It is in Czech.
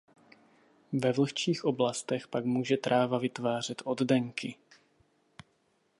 Ve vlhčích oblastech pak může tráva vytvářet oddenky.